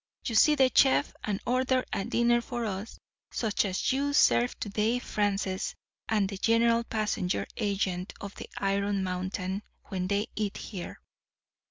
You see the chef and order a dinner for us such as you serve to Dave Francis and the general passenger agent of the Iron Mountain when they eat here.